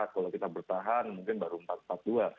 kalau kita bertahan mungkin baru empat empat dua